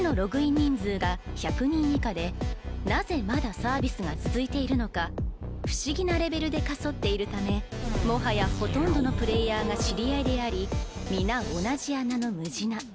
人数が１００人以下でなぜまだサービスが続いているのか不思議なレベルで過疎っているためもはやほとんどのプレイヤーが知り合いであり皆同じ穴のむじな